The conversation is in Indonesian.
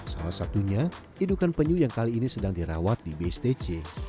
salah satunya indukan penyu yang kali ini sedang dirawat di bstc